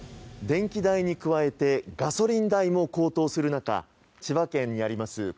電気代に加えてガソリン代も高騰する中千葉県にあります